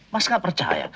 mas gak percaya